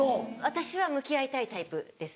私は向き合いたいタイプです。